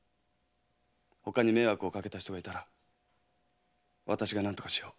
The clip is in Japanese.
他に迷惑をかけた人がいたら私が何とかしよう。